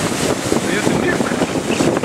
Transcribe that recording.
Ay at nnif!